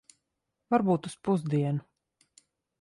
Varbūt uz pusdienu.